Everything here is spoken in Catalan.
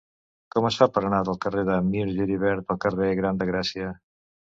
Com es fa per anar del carrer de Mir Geribert al carrer Gran de Gràcia?